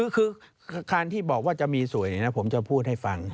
คือการที่บอกว่าจะมีสวยผมจะพูดให้ฟัง